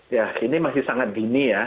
ya ini masih sangat dini ya